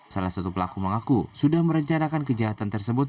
salah satu pelaku mengaku sudah merencanakan kejahatan tersebut